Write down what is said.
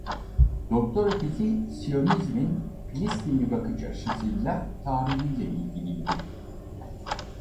Doktora tezi siyonizmin Filistinli bakış açısıyla tarihiyle ilgiliydi.